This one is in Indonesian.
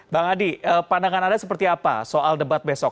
bang adi pandangan anda seperti apa soal debat besok